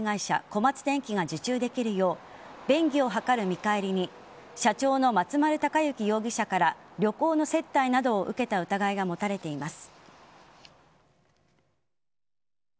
小松電器が受注できるよう便宜を図る見返りに社長の松丸隆行容疑者から旅行の接待などを受けた疑いが持たれています。